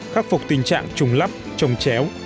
khắc phục tình trạng trùng lắp trồng chéo